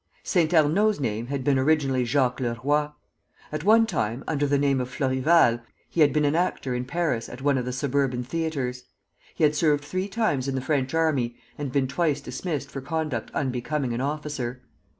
Saint Arnaud's name had been originally Jacques Le Roy. At one time, under the name of Florival, he had been an actor in Paris at one of the suburban theatres. He had served three times in the French army, and been twice dismissed for conduct unbecoming an officer.